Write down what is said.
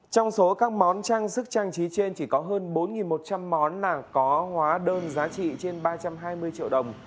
trong số các món trang sức trang trí trên chỉ có hơn bốn một trăm linh món là có hóa đơn giá trị trên ba trăm hai mươi triệu đồng